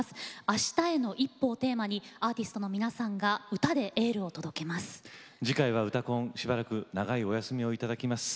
あしたへの一歩をテーマにアーティストの皆さんが歌でエールを届けます。